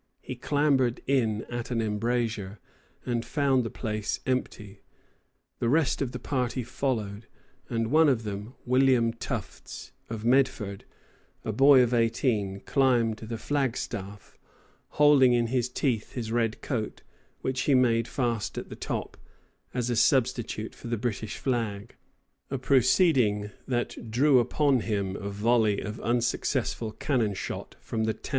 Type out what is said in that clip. He clambered in at an embrasure, and found the place empty. The rest of the party followed, and one of them, William Tufts, of Medford, a boy of eighteen, climbed the flagstaff, holding in his teeth his red coat, which he made fast at the top, as a substitute for the British flag, a proceeding that drew upon him a volley of unsuccessful cannon shot from the town batteries.